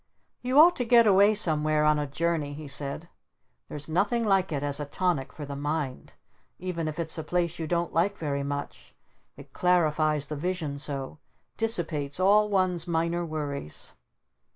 "You ought to get away somewhere on a journey," he said. "There's nothing like it as a tonic for the mind. Even if it's a place you don't like very much it clarifies the vision so, dissipates all one's minor worries."